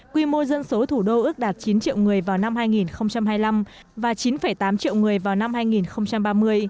quy mô dân số thủ đô ước đạt chín triệu người vào năm hai nghìn hai mươi năm và chín tám triệu người vào năm hai nghìn ba mươi